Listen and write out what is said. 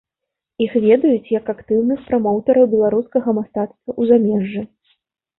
Іх ведаюць як актыўных прамоўтэраў беларускага мастацтва ў замежжы.